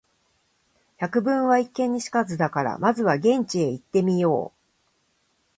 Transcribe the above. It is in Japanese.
「百聞は一見に如かず」だから、まずは現地へ行ってみよう。